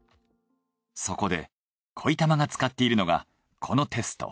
そこで恋たまが使っているのがこのテスト。